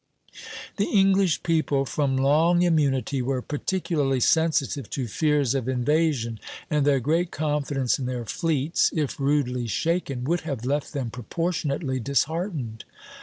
The English people, from long immunity, were particularly sensitive to fears of invasion, and their great confidence in their fleets, if rudely shaken, would have left them proportionately disheartened.